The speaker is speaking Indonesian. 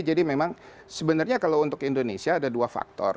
jadi memang sebenarnya kalau untuk indonesia ada dua faktor